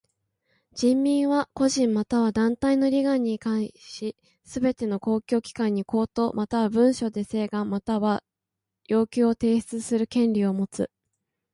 人民は個人または団体の利害に関しすべての公共機関に口頭または文書で請願または要求を提出する権利をもつ。